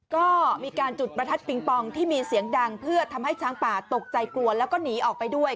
ก็มีการจุดประทัดปิงปองที่มีเสียงดังเพื่อทำให้ช้างป่าตกใจกลัวแล้วก็หนีออกไปด้วย